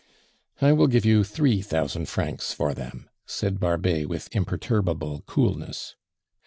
"I will give you three thousand francs for them," said Barbet with imperturbable coolness.